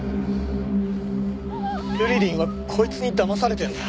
ルリリンはこいつにだまされてるんだ。